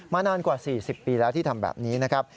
นานกว่า๔๐ปีแล้วที่ทำแบบนี้นะครับ